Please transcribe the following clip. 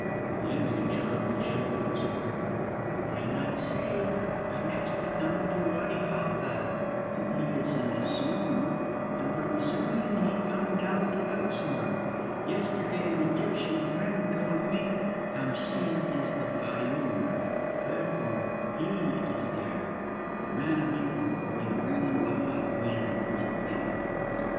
The Indian shrugged his shoulders. "I cannot say, but next he come to Wady Halfa, then he is in Assouan, and from Assouan he come down to Luxor! Yesterday an Egyptian friend told me Khamsîn is in the Fayûm. Therefore he is there the man of evil for he bring the hot wind with him."